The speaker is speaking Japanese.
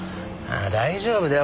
ああ大丈夫だよ